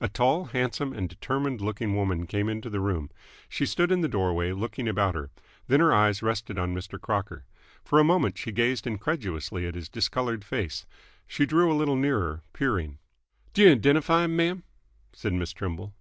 A tall, handsome, and determined looking woman came into the room. She stood in the doorway, looking about her. Then her eyes rested on Mr. Crocker. For a moment she gazed incredulously at his discoloured face. She drew a little nearer, peering. "D'yo 'dentify 'm, ma'am?" said Miss Trimble.